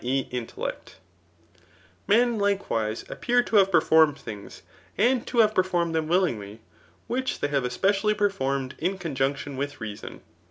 e, intellect]. Men, likewise, appear to have performed things, and to have performed them willingly, which they have especially performed in conjunction with reason.